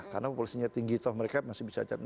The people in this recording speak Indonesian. karena populasinya tinggi mereka masih bisa